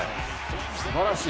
すばらしい。